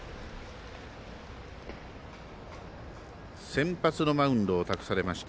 先発のマウンドを託されました